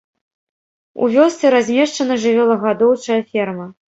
У вёсцы размешчана жывёлагадоўчая ферма.